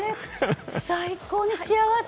最高に幸せ！